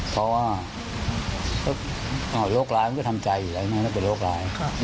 เพราะว่าโรคร้ายมันก็ทำใจอยู่แล้วมันก็เป็นโรคร้าย